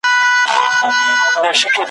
د مور په نس کي د پیرانو پیر وو ,